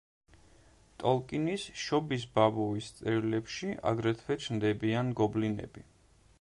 ტოლკინის „შობის ბაბუის წერილებში“ აგრეთვე ჩნდებიან გობლინები.